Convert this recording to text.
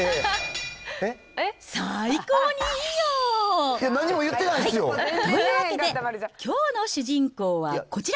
最高にいいよ！というわけできょうの主人公はこちら。